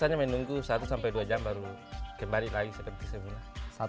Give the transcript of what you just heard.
biasanya menunggu satu sampai dua jam baru kembali lagi seperti semula